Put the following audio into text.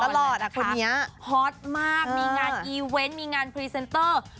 ฮอตมากมีงานอิเว้นมีงานโปรด